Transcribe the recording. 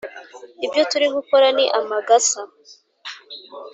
ibyo turi gukora ni amagasa